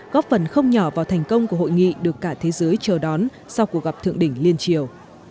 góp phần không nhỏ vào thành công của hội nghị được cả thế giới chờ đón sau cuộc gặp thượng đỉnh liên triều